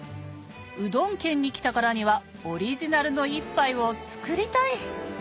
うどん県に来たからにはオリジナルの一杯を作りたい！